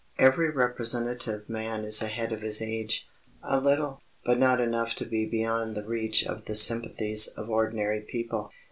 Every representative man is ahead of his age a little, but not enough to be beyond the reach of the sympathies of ordinary people.